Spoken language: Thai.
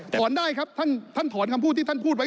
ถอนได้ครับท่านถอนคำพูดที่ท่านพูดไว้